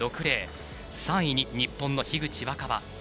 ３位に日本の樋口新葉。